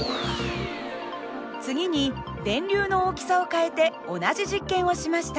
次に電流の大きさを変えて同じ実験をしました。